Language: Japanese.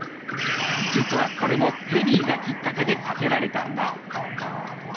実はこれもペリーがきっかけで建てられたんだ。